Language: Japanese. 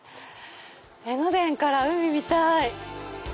江ノ電から海見たい！